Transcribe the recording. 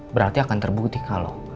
berarti akan terbukti kalau